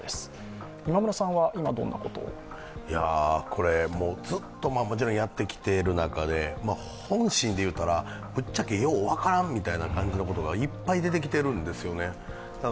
これ、ずっともちろんやってきてる中で、本心で言うたら、ぶっちゃけよう分からんみたいな感じのことがいっぱい出てきているんですね。